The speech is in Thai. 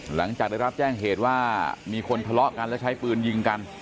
หลังจากได้รับแจ้งเหตุว่ามีคนทะเลาะกันแล้วใช้ปืนยิงกัน